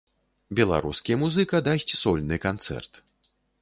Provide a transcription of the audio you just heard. Беларускі музыка дасць сольны канцэрт.